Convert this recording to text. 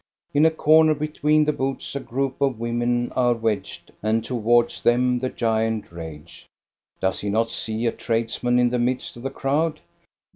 In a comer between the booths a group of women are wedged, and towards them the giant ragcji. Does he not see a tradesman in the midst of the crowd.?